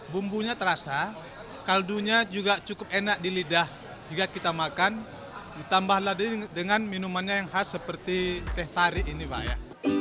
bumbunya terasa kaldunya juga cukup enak di lidah juga kita makan ditambahlah dengan minumannya yang khas seperti teh tarik ini pak ya